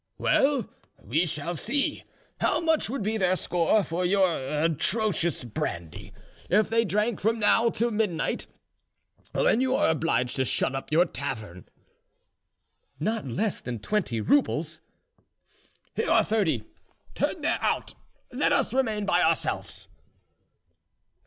"Well, we shall see. How much would be their score, for your atrocious brandy, if they drank from now till midnight, when you are obliged to shut up your tavern?" "Not less than twenty roubles." "Here are thirty; turn there out, and let us remain by ourselves."